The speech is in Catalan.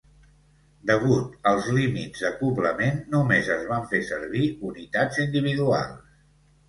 Degut als límits d'acoblament, només es van fer servir unitats individuals.